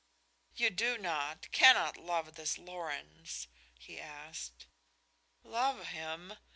"You do not, cannot love this Lorenz?" he asked. "Love him!"